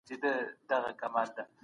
څخه ليري كړو دا كـاڼــي